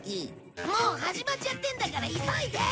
もう始まっちゃってるんだから急いで！